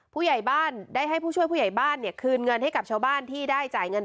ผู้ใหญ่บ้านได้ให้ผู้ช่วยผู้ใหญ่บ้านเนี่ยคืนเงินให้กับชาวบ้านที่ได้จ่ายเงิน